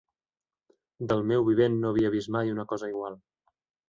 Del meu vivent no havia vist mai una cosa igual.